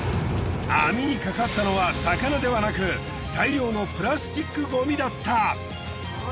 網にかかったのは魚ではなく大量のプラスチックごみだった。